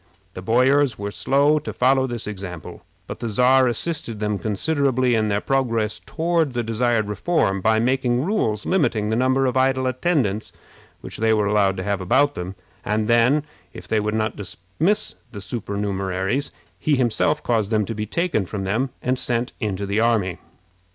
The boyars were slow to follow this example, but the Czar assisted them considerably in their progress toward the desired reform by making rules limiting the number of idle attendants which they were allowed to have about them; and then, if they would not dismiss the supernumeraries, he himself caused them to be taken from them and sent into the army.